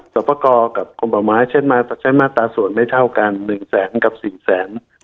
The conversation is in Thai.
สอปอกอกับกฎหมายใช้มาตราส่วนไม่เท่ากัน๑แสนกับ๔แสน